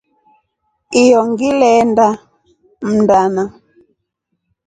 Iyo ngilenda mndana.